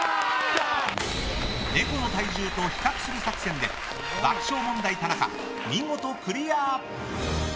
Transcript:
猫の体重と比較する作戦で爆笑問題・田中、見事クリア！